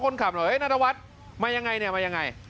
นัทวัฒน์มายังไงมายังไง